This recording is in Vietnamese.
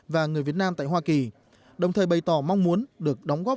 và người việt nam tại hoa kỳ đồng thời bày tỏ mong muốn được đóng góp